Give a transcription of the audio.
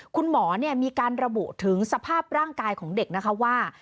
คุณหมอมีการระบุถึงสภาพร่างกายของเด็กนะคะว่า